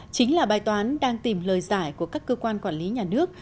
chính là bài toán đang tìm lời giải của các cơ quan quản lý nhà nước